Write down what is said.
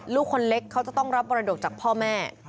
ลูกคนเล็กเขาจะต้องรับมรดกจากพ่อแม่